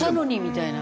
みたいな。